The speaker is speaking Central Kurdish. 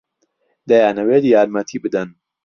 دەیانەوێت یارمەتی بدەن.